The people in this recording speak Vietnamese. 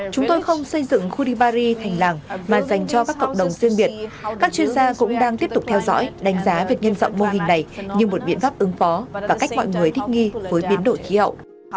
chúng tôi không xây dựng khu dibary thành làng mà dành cho các cộng đồng riêng biệt các chuyên gia cũng đang tiếp tục theo dõi đánh giá việc nhân rộng mô hình này như một biện pháp ứng phó và cách mọi người thích nghi với biến đổi khí hậu